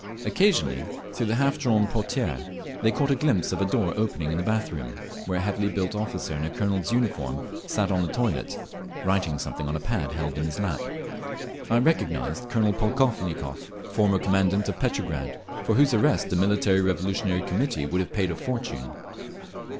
Occasionally, through the half drawn portières, we caught a glimpse of a door opening into a bath room, where a heavily built officer in a colonel's uniform sat on the toilet, writing something on a pad held in his lap. I recognised Colonel Polkovnikov, former commandant of Petrograd, for whose arrest the Military Revolutionary Committee would have paid a fortune.